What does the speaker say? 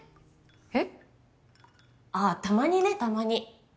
えっ？あったまにねたまに。